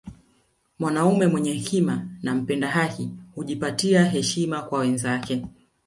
Mwanaume mwenye hekima na mpenda haki hujipatia heshima kwa wenzake